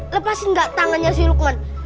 lepasin nggak tangannya si rukman